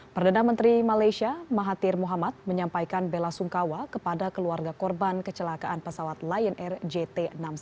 perdana menteri malaysia mahathir muhammad menyampaikan bela sungkawa kepada keluarga korban kecelakaan pesawat lion air jt enam ratus sepuluh